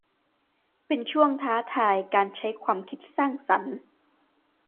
เป็นช่วงท้าทายการใช้ความคิดสร้างสรรค์